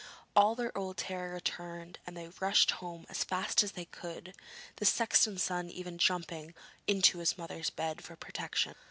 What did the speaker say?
All their old terror returned, and they rushed home as fast as they could, the sexton's son even jumping into his mother's bed for protection.